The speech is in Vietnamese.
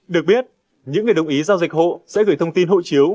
được biết những người đồng ý giao dịch hộ sẽ gửi thông tin hộ chiếu